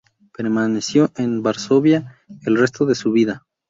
Permaneció en Varsovia el resto de su vida.